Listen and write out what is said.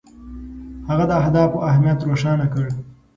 هغه د اهدافو اهمیت روښانه کړ.